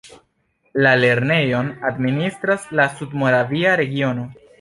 La lernejon administras la Sudmoravia regiono.